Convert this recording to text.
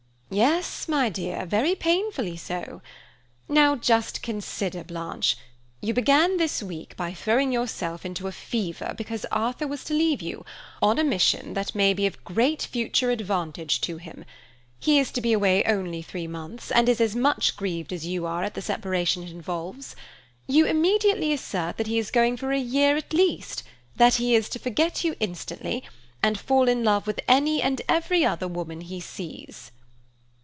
"Yes, my dear, very painfully so. Now, just consider, Blanche; you began this week by throwing yourself into a fever because Arthur was to leave you, on a mission that may be of great future advantage to him. He is to be away only three months, and is as much grieved as you are at the separation it involves. You immediately assert that he is going for a year at least, that he is to forget you instantly, and fall in love with any and every other woman he sees."